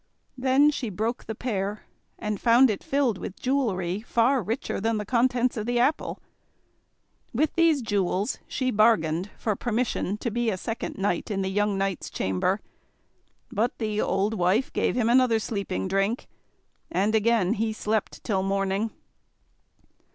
Then she broke the pear, and found it filled with jewellery far richer than the contents of the apple. With these jewels she bargained for permission to be a second night in the young knight's chamber; but the old wife gave him another sleeping drink, and again he slept till morning.